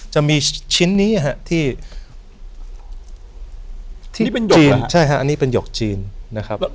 จะมีชิ้นนี้ครับอันนี้เป็นหยกจีนนะครับ